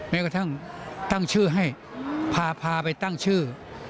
แม้กระทั่งตั้งชื่อให้พาไปตั้งชื่อ